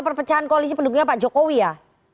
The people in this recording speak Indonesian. perpecahan koalisi pendukungnya pak jokowi ya